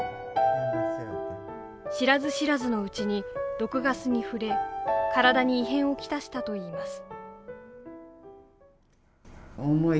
知らず知らずのうちに毒ガスに触れ体に異変を来したといいます。